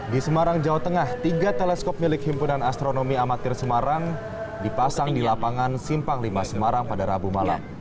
di semarang jawa tengah tiga teleskop milik himpunan astronomi amatir semarang dipasang di lapangan simpang lima semarang pada rabu malam